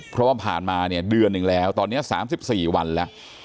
เพราะว่าผ่านมาเนี่ยเดือนหนึ่งแล้วตอนนี้๓๔วันแล้ว